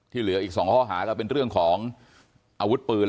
เหลืออีก๒ข้อหาก็เป็นเรื่องของอาวุธปืน